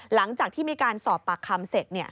หลังจากที่มีการสอบปากคำเสร็จ